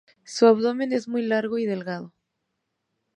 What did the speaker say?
Su abdomen es muy largo y delgado.